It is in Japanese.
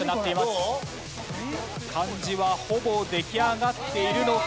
漢字はほぼ出来上がっているのか？